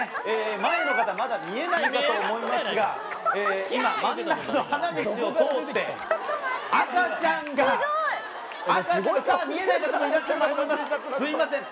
前の方まだ見えないかと思いますが今真ん中の花道を通って赤ちゃんが見えない方もいらっしゃるかとすいません